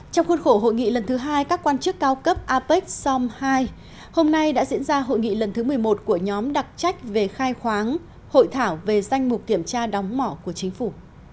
trong khuôn khổ hội nghị lần thứ hai các quan chức cao cấp apec som hai hôm nay đã diễn ra hội nghị lần thứ một mươi một của nhóm đặc trách về khai khoáng hội thảo về danh mục kiểm tra đóng mỏ của chính phủ